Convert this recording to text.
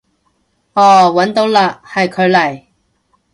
哦搵到嘞，係佢嚟